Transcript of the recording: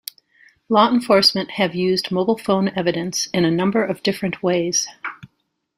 Law enforcement have used mobile phone evidence in a number of different ways.